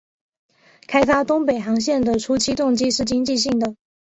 开发东北航线的初期动机是经济性的。